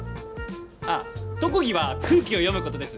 あっ特技は空気を読むことです。